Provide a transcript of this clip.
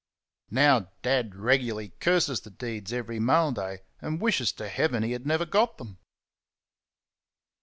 Now Dad regularly curses the deeds every mail day, and wishes to Heaven he had never got them.